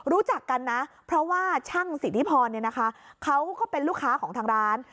รู้จักกันนะเพราะว่าช่างสิทธิพรเขาก็เป็นลูกค้าของทางร้าน